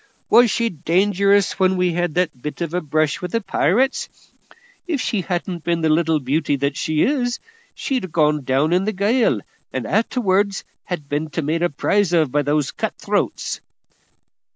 Was she dangerous when we had that bit of a brush with the pirates? If she hadn't been the little beauty that she is, she'd ha' gone down in the gale and a'terwards ha' been made a prize of by the cut throats."